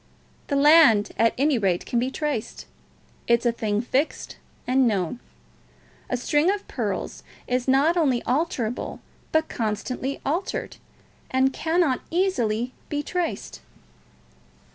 The land, at any rate, can be traced. It is a thing fixed and known. A string of pearls is not only alterable, but constantly altered, and cannot easily be traced."